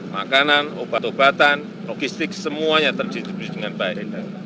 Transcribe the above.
makanan obat obatan logistik semuanya terdistribusi dengan baik